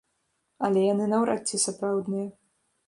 Але яны наўрад ці сапраўдныя.